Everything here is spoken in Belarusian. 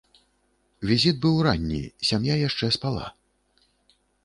Візіт быў ранні, сям'я яшчэ спала.